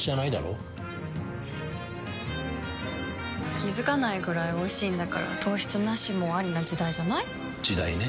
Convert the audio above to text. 気付かないくらいおいしいんだから糖質ナシもアリな時代じゃない？時代ね。